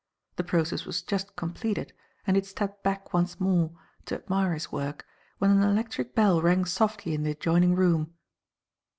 The process was just completed and he had stepped back once more to admire his work when an electric bell rang softly in the adjoining room.